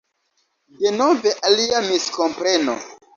Denove alia miskompreno.